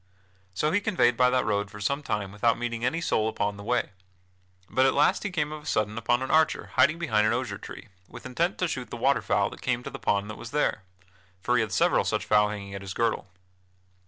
So he conveyed by that road for some time without meeting any soul upon the way. But at last he came of a sudden upon an archer hiding behind an osier tree with intent to shoot the water fowl that came to a pond that was there for he had several such fowl hanging at his girdle.